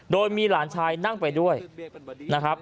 โดยมีหลานชายนั่งไปด้วยนะครับ